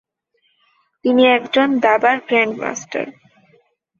তিনি একজন দাবার গ্র্যান্ডমাস্টার।